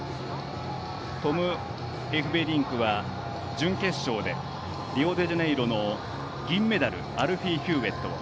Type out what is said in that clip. トム・エフベリンクは準決勝でリオデジャネイロの銀メダルアルフィー・ヒューウェット。